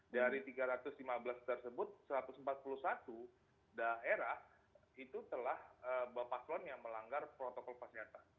dari tiga ratus lima belas tersebut satu ratus empat puluh satu daerah itu telah bapak selon yang melanggar protokol kesehatan